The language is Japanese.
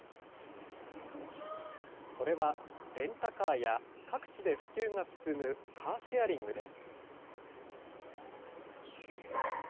それは、レンタカーや、各地で普及が進むカーシェアリングです。